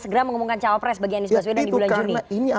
segera mengumumkan cawapres bagi anies baswedan di bulan juni